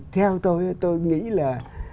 theo tôi tôi nghĩ là